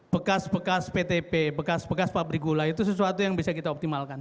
bekas bekas ptp bekas bekas pabrik gula itu sesuatu yang bisa kita optimalkan